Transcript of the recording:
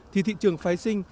thì thị trường phái sinh